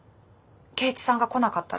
圭一さんが来なかったら。